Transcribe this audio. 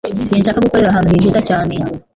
Sinshaka gukorera ahantu hihuta cyane.